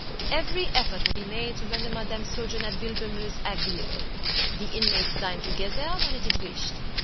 "Every effort will be made to render madam's sojourn at Villebrumeuse agreeable. The inmates dine together when it is wished.